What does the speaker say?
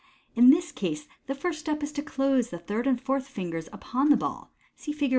In this case the first step is to close the third and fourth fingers upon the ball (see Fig.